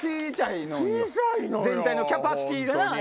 全体のキャパシティーがな。